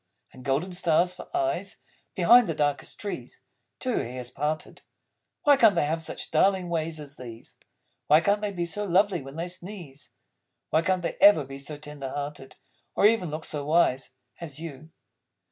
And golden stars, for eyes, Behind the darkest trees (Till your hair's parted)! Why can't they have such darling ways as these? Why can't they be so lovely when they sneeze? Why can't they ever be so tender hearted, Or even look so wise As You?